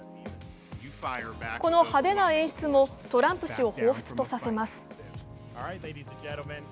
この派手な演出もトランプ氏を彷彿とさせます。